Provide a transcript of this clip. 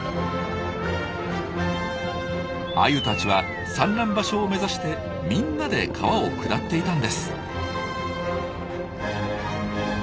アユたちは産卵場所を目指してみんなで川を下っていたんです。